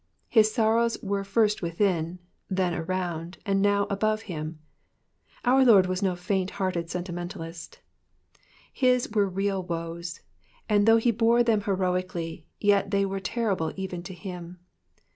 His sorrows were first within, then around, and now above him. Our Lord was no faint hearted sentimentalist ; his were real woes, and though he bore them heroically, yet were they terrible even to him.